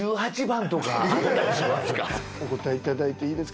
お答えいただいていいですか？